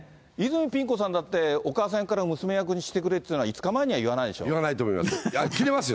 泉ピン子さんだってお母さん役から娘役にしてくれっていうのは、言わないと思います。